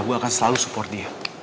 gue akan selalu support dia